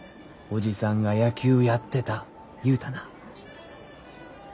叔父さんが野球やってた言うたな？